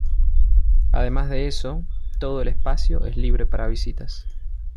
Además de eso, todo el espacio es libre para visitas.